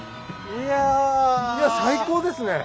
いや最高ですね。